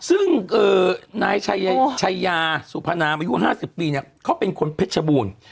ซึ่งเอ่อนายชายชายาสุพนาอายุห้าสิบปีเนี่ยเขาเป็นคนเพชรบูรณ์